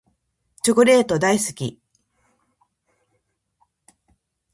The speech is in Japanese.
チョコレート大好き。